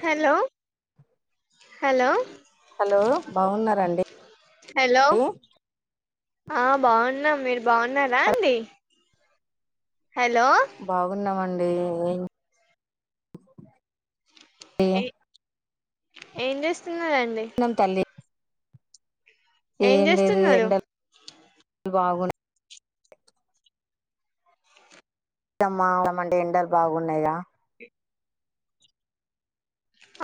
Hello hello hello బాగున్నరండీ hello ఇ ఆ బాగున్నాం మీరు బాగున్నారా అండి హాలో బాగున్నామండీ ఎ ఎ ఏంజెస్త నం తల్లి ఏం లేదు ఎండల్ బాగున్నా [unintelligible] అంటే ఎండలు బాగున్నయిగా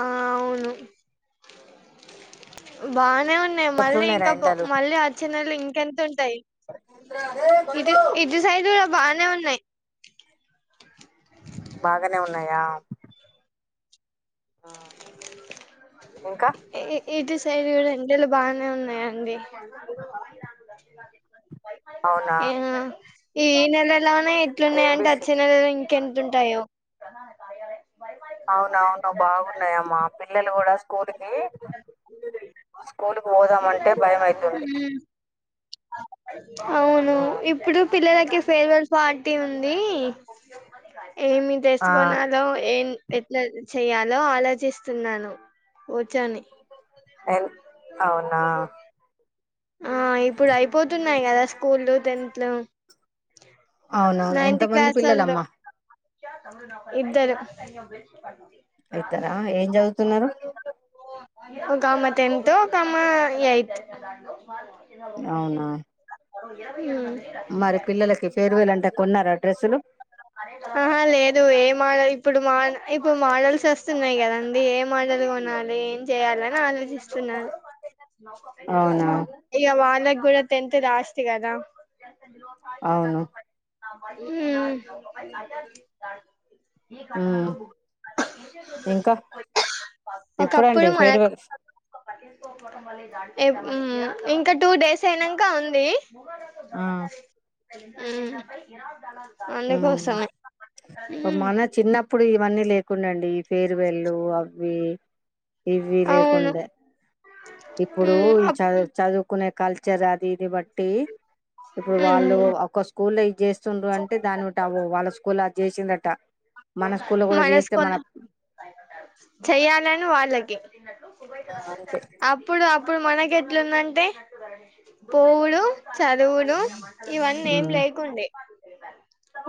ఆ అవును బా నే ఉన్నాయి మళ్ళీ ఎట్లున్నాయిరా ఇంకా ఎండలు మళ్ళీ వచ్చినెళ్లు ఇంకేంత ఉం టై ఇటు ఇటు సైడ్ బానే ఉన్నాయ్ బాగనే ఉన్నాయా ఇంకా ఇటు సైడ్ కూడా ఎండలు బానే ఉన్నాయండి అవునా ఆ ఈ నెలలోనే ఏం ఇట్లున్నాయంటే విష అచ్చే నెలలో కెంతుంటాయో అవునవును బాగున్నాయమ్మా పిల్లలు కూడా స్కూల్కి స్కూల్కు పోదామంటే భయమైతుంది అవును ఇప్పుడు పిల్లలకి ఫేర్వెల్ పార్టీ ఉంది ఏమి ఆ డ్రెస్ కొనాలో ఏం ఎట్ల చేయాలో ఆలోచిస్తున్నాను కూర్చొని ఎన్ అవునా ఆ ఇప్పుడైపోతున్నయి గదా స్కూల్లు టెన్త్లు అవునవును ఎంత నైన్త్ మంది క్లాస్లల్లో పిల్లలమ్మా ఇద్దరు ఐతరా ఏం చదువుతున్నరు ఒకామ టెన్త్ ఒకామ యయిత్ అవునా మరి పిల్లలకి ఫేర్వెలాంటే కొన్నార డ్రెస్సులు ఆహా లేదు ఏం మోడల్ ఇప్పుడు మో ఇప్పుడు మోడల్స్ అస్తున్నాయి కదండి ఏ మోడల్ కొనాలి చేయాలని ఆలోచిస్తున్నాను అవునా ఇగ వాళ్ల గుడ టెన్త్ లాస్ట్ కదా అవును ఉమ్ ఉమ్ ఇంకా ఒకప్పుడు ఎప్పుడండి మనకు ఫేర్వెల్ ఎప్ ఉమ్ ఇంకా టూ డేస్ అయినంక ఉంది ఆ హ్మ్ హ్మ్ మన చిన్నప్పుడు ఇవన్నీ లేకుండాండి ఫేర్వెల్లు అవ్వి ఇవ్వి అవును లేకుండే ఇప్పుడూ ఈ చదువు చదుకునే కల్చర్ అది ఇది బట్టి ఇప్పుడు వాళ్ళు ఒక స్కూల్ ఇద్జేస్తుండ్రంటే అనుంటావ వాళ్ళ స్కూల్ అద్జేసిందట మనస్కోల చెయ్యాలని వాళ్ళకి ఆ, అంతే అప్పుడప్ ఇప్పుడు మనకేట్లుందంటే పోవుడు చదువుడు ఇవన్నేం ఉమ్ లేకుండే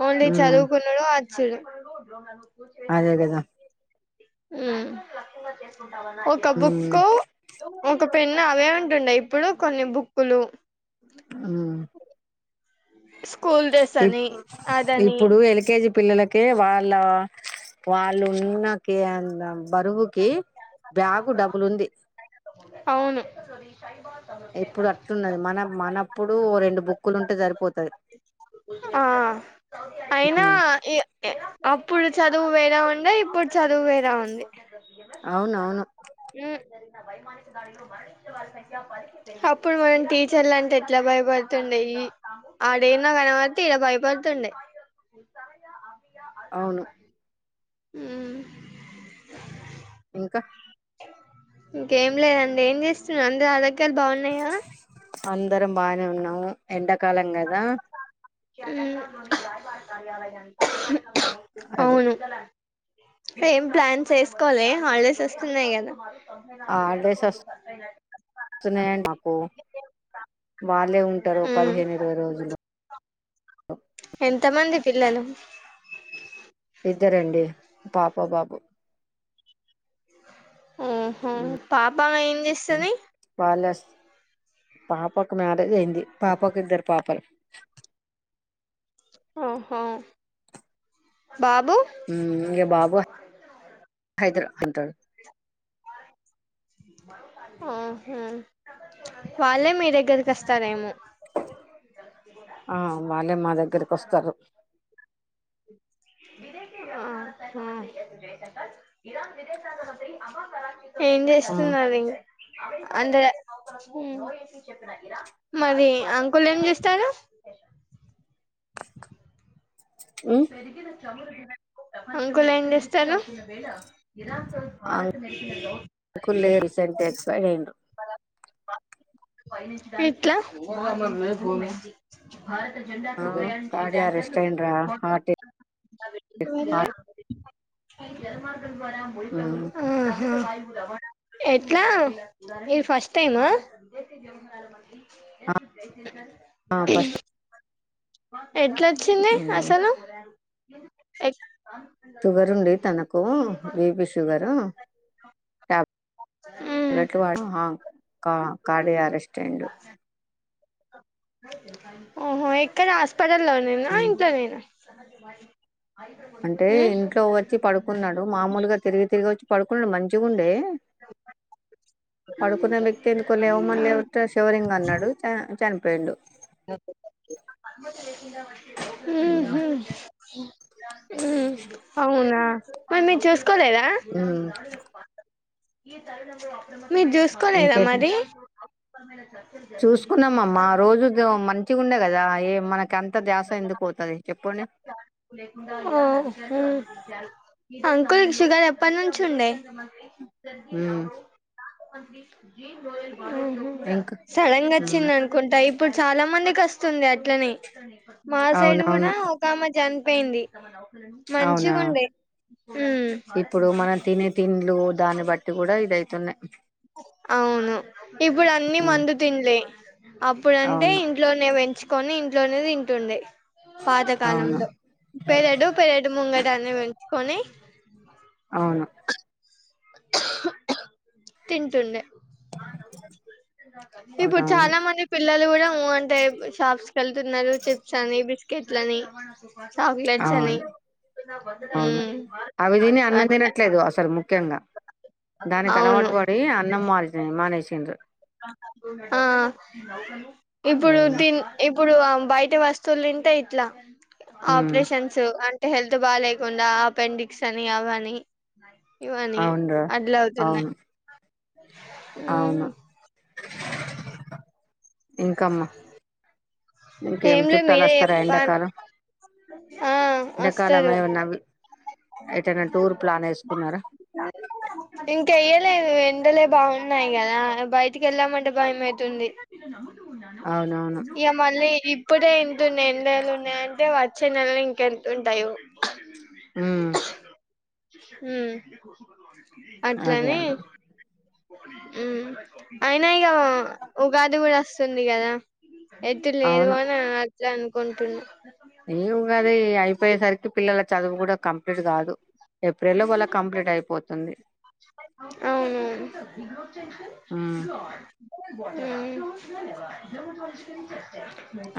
ఓన్లీ ఉమ్ చదువుకున్నుడు ఆచ్చుడు అదే గద హ్మ్ ఒక ఉమ్ బుక్కు ఒక పెన్ను అవే ఉంటుండే ఇప్పుడు కొన్ని బుక్కులు హ్మ్ స్కూల్ డ్రెస్ ఇప్ అని అదని ఇప్పుడు ఎల్కేజీ పిల్లలకే వా ళ్ళ వాళ్ళు ఉన్నకే అంద బరువుకి బ్యాగు డబులుంది అవును ఇప్పుడు అట్లున్నది మన మనప్పుడు ఓ రెండు బుక్కులుంటే జరిపోతది ఆ అయిన ఉమ్ ఇ ఇ అప్పుడు చదువు వేరే ఉండే ఇప్పుడ్ చదువ్వేరే ఉంది అవునవును అప్పుడు మనం టీచర్లంటే ఎట్ల భయపడ్ తుండె ఈ అడెన్నొ కనమతే ఇడ భయపడ్తుండే అవ్నూ హ్మ్ ఇంక ఇంకేం లేదండి ఏం చేస్తున్నారు అందురు ఆరోగ్యాలు బాగున్నాయ అందరం బానే ఉన్నాము ఎండాకాలం కదా హ్మ్ అదే అవ్నూ ఏం ప్లాన్ చేస్కోలే హాలిడేస్ ఓస్తున్నాయి గద హాలిడేస్ స్తున్నయండి మాకు వాళ్ళే ఉంటరు పదిహేనిరవై రోజులు ఎంతమంది పిల్లలు ఇద్దరండి పాప బాబు ఉహ్మ్ ఉమ్ పాప ఏం జేస్తది వాళ్ళ పాపకు మ్యారేజైంది పాపకు ఇద్దరు పాపలు ఓహో బాబు హ్మ్ ఇంగ బాబు హైదరా ఉంటాడు ఉహ్మ్ వాళ్ళే మీ దగ్గర్కోస్తారేమో ఆ వాళ్ళే మా దగ్గర్కోస్తరు ఆ హా ఏం ఆ జెస్తున్నాది అందే ల హ్మ్ మరి అంకులేం జేస్తారు ఉమ్ అంకులేం జేస్తారు ఆ అంకుల్ రీసెంట్ ఎక్స్పైర్ అయ్యిండ్రు ఇట్ల ఆ [unintelligible] కార్డి అరెస్ట్ అయ్యిండ్రా హార్ట్ హార్ట్ వేరే ఉమ్ ఆహా ఎట్లా ఇది ఫస్టైమా ఆ ఫస్ట్ ఎట్లోచ్చింది ఉమ్ అసలు ఎక్ తుగరుంది తనకు బీపి షుగరు మ్మ్ పలేట్లువా ఆ కా కార్డే అడేస్ట్ అయిండు ఓహో ఎక్కడ హాస్పిటల్ లోనేనా ఉమ్, ఇంట్లనేనా అంటే ఇంట్లో ఓచ్చి పడుకున్నాడు. మామూలుగా తిరిగి తిరిగి ఓచ్చి పడుకున్నాడు. మంచిగుండే పడుకున్న వ్యక్తి ఎందుకో లేవమన్ మ్మ్ లేట్ శివరింగ్ అన్నాడు చ చనిపోయిండు మ్మ్ ఉమ్ హూ మ్మ్ అవునా మని చేస్ కోలేదా ఉమ్, మీరు జుసుకోలేదా మరి చుస్కున్నామమ్మ రోజు మంచిగుండే గదా ఏ మన అహూ అంకుల్ షుగర్ ఎప్పనుంచి ఉండే ఉమ్ ఉహు ఇంకా సడనగ ఉమ్ వచ్చింది అనుకుంటా ఇప్పుడు చాలా మంది కస్తుంది అట్లనే మా సైడ్ గూడా అవునవును ఒక ఆమె జన్పోయింది. అవునా మంచిగుండే మ్మ్ దానీ బట్టి గూడా ఇదయితున్నాయి అవును ఇప్పుడు అన్ని ఉమ్ మందు తింలే అప్పుడంటే అవును ఇంట్లోనే పెంచుకొని ఇంట్లోనే దింటుండే అవును పాతకాలంలో పెరడు పెరడు ముంగటన్ని పెంచుకొని అవును తింటుండే ఇప్పుడు అవునవును చాలా మంది పిల్లలు గూడా ఊ అంటే షాప్స్ కేళ్తున్నారు. చిప్స్ అని బిస్ ఇట్లని చాక్లెట్స్ అని అవును అవును మ్మ్ అట్లా దానికాలవాటు అవును పడి అన్నం మార్ మానేసిండ్రు ఆ ఇప్పుడు ఉమ్ థీన్ తీ ఇప్పుడు ఆ బయట వస్తువులు ధీంటే ఇట్లా ఉమ్ ఆపరేషన్స్ అన్ హెల్త్ బాలేకుండా అపెండిక్స్ అని అవని ఇవని అవునురా అట్ల అవుతున్నాయి అవును అవును మ్మ్ ఇంకమ్మా ఇంకేం ఏంలేద్ చుట్టాలు మీరే వస్తారా చెప్పాలి ఎండాకాలం ఆ ఎండాకాలం అస్తరు ఏమన్నా ఎటైనా టూర్ ప్లాన్ వేసుకున్నారా ఇంకెయ్యలే లేదు వెండలే బాగున్నాయి గదా బయటికి ఎళదామంటే భయమేతుంది అవునవును ఇగ లే ఇప్పుడే ఇంతున్నయ్ ఎండల్లున్నాయంటే వచ్చే నెలలో ఇంకెంతుంటాయో ఉమ్ ఉమ్మ్ అదే అట్లనీ అదే మ్మ్ అయినా ఇగా ఉగాది గూడా ఒస్తుంది గదా ఎటు లేదు అని అట్టే అనుకుంటున్న ఏ ఉగాది అయిపోయేసరికి పిల్లల చదువు గూడా కంప్లీట్ గాదు ఏప్రిల్లో మళ్ళ కంప్లీట్ అయిపోతుంది అవును మ్మ్ ఉమ్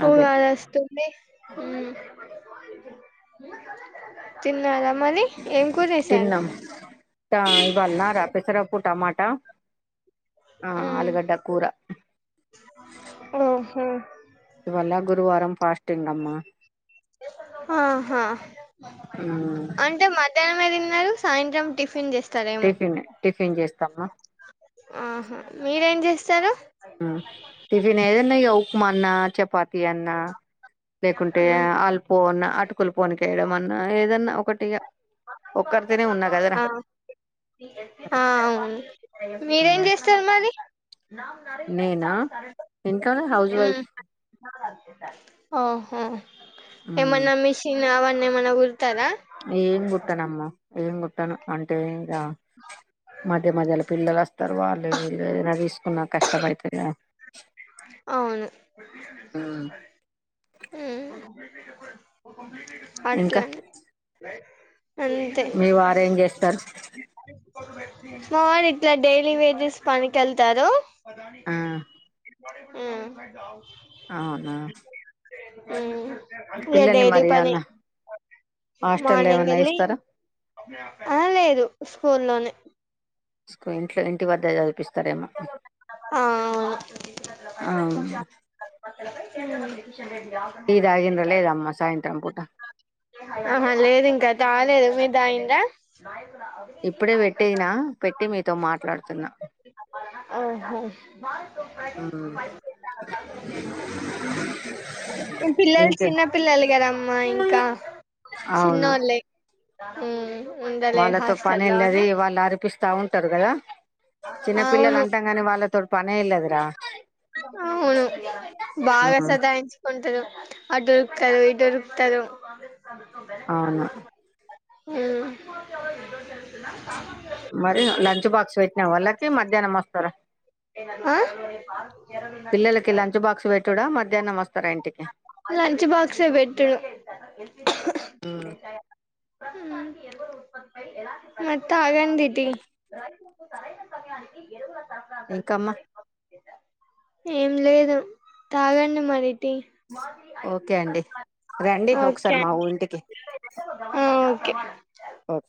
అదే ఉగాదొస్తూ మ్మ్ తిన్నారా మరి ఏంకురేసాను తిన్నాం ట- ఇవాళ రాపకు రాపాకు టమాట ఆ ఉమ్ ఆలుగడ్డ కూర హు వల్ల గురువారం ఫాస్టింగ్ అమ్మా ఆహా ఉమ్ అంటే మధ్యానం మిర్దిన్నారు సాయంత్రం టిఫిన్ చేస్ టిఫిన్ టిఫిన్ చేస్తామ ఆహా మీరేంజెస్తరు ఉమ్ టిఫిన్ ఏదన్నిగ ఉక్మన్నా చపా తి అన్నా లేకుంటే ఉమ్ అల్పోన్న అటు స్కుల్ పోన్కేయడం అన్నా ఏదన్నా ఒకటిగా అ అ అవును మీరేం మ్ చేస్తారు మరి ఉమ్ నేనా ఇంట్లోనే హౌస్ వైఫ్ ఆహా మ్ ఏమన్నా మిషన్ అవన్న ఏమన్నా కూడతారా ఏం కుట్టనమ్మ ఏం కుట్టను అంటే అ మధ్య మధ్యల పిల్లలస్తారు వాళ్ళువీళ్ళు ఏదైనా తీసుకున్నా కష్టపైతది ఆ అవును మ్ ఉమ్ ఇంకా అట్లనే అంతే మీ వారేం చేస్తారు మా ఇట్లా డైలీ వేజెస్ పనికెళ్తారు ఆ ఉమ్ అవునా ఉమ్ ఇగా పిల్లల్ని డెలీ మరి పని ఏమన్నా హాస్టల్లో మార్నింగ్ ఏమన్నా ఎళ్ళి ఏస్తారా ఆ లేదు స్కూల్లోనే స్కు ఇంట్లో ఇంటి వద్ద చదివిపిస్ సరేమ్మ ఆ అవును అవు [unintelligible] టీ తాగిండ్రా లేదమ్మ సాయంత్రం పూట ఆహా లేదు ఇంకా తాగలేదు మీరు తాగిండ్రా ఇప్పుడే పెట్టేనా పెట్టి మీతో మాట్లాడుతున్నా మ్మ్ ఆహా ఇం పిల్లలు ఇంకే చిన్న పిల్లలు గదమ్మా ఇంకా అవును చిన్నోళ్ళే ఉమ్ ఉండలేదు వాళ్ళతో హాస్టల్లోనే పనెల్లది వాళ్ళ ఆరిపిస్ స్తా ఉంటారు గదా చిన్నపిల్లలు అవును అంటాం కాని వాళ్ళతో అవును బాగా మ్మ్ సతాయించుకుంటరు అటు తరు ఇటురుకుతరు అవునా ఉమ్ మరి లంచ్ బాక్స్ పెట్నవ వాళ్ళకి మధ్యాహ్నం వస్తారా ఆ పిల్లలకి లంచ్ బాక్స్ పెట్టుడా మధ్యాహ్నం వస్తారా ఇంటికి లంచ్ బాక్సే పెట్టుడు మ్మ్ ఉమ్ మరి తాగండి టి ఇంకమ్మా ఏం లేదు తాగండి మరి టీ ఓకే అండి రండి ఓకే ఒకసారి మా ఊ అండి ఇంటికి అ ఓకే ఓకే